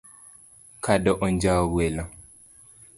Kado onjwawo welo